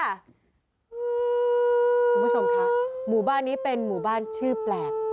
คุณผู้ชมคะหมู่บ้านนี้เป็นหมู่บ้านชื่อแปลก